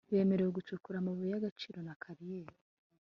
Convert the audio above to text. bemerewe gucukura amabuye y'gaciro na kariyeri